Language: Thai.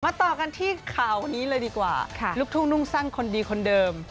ต่อกันที่ข่าวนี้เลยดีกว่าลูกทุ่งนุ่งสั้นคนดีคนเดิม